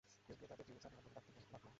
কেউ কেউ তাদের জিউস আর হেরা বলে ডাকতে লাগল।